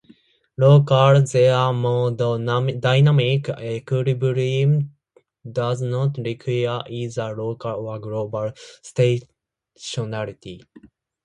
Local thermodynamic equilibrium does not require either local or global stationarity.